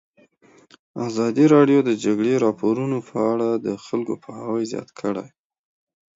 ازادي راډیو د د جګړې راپورونه په اړه د خلکو پوهاوی زیات کړی.